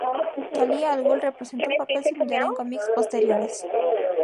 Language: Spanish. Talia al Ghul representó un papel similar en cómics posteriores.